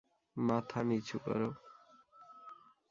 মাথা নিচু করো!